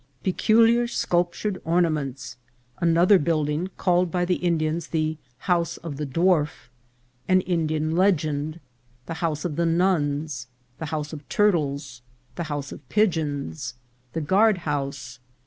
— Pe culiar sculptured Ornaments. — Another Building, called by the Indians the House of the Dwarf. — An Indian Legend. — The House of the Nuns. — The House of Turtles. — The House of Pigeons.— The Guard house.